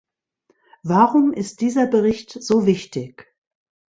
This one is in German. Warum ist dieser Bericht so wichtig?